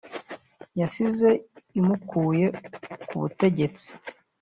yasize imukuye ku butegetsi